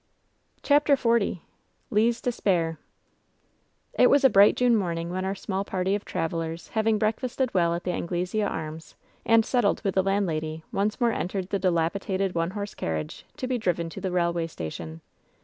CHAPTER XL It was a bright June morning when our small party of travelers, having breakfasted well at the Anglesea Arms, and settled with the landlady, once more entered the dilapidated one horse carriage, to be driven to the railway station.